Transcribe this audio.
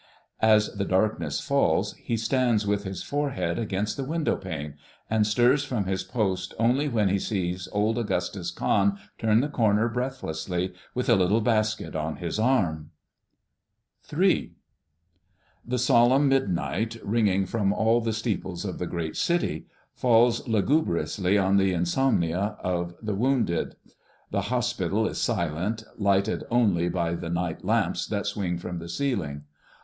As the darkness falls, he stands with his forehead against the window pane, and stirs from his post only when he sees old Augustus Cahn turn the corner breathlessly, with a little basket on his arm. III. The solemn midnight, ringing from all the steeples of the great city, falls lugubriously on the insomnia of the wounded. The hospital is silent, lighted only by the night lamps that swing from the ceiling.